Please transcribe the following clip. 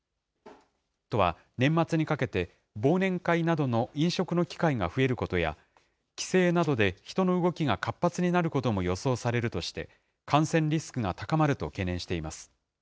都は、年末にかけて忘年会などの飲食の機会が増えることや、帰省などで人の動きが活発になることも予想されるとして、感染リスクが高まると懸念しています。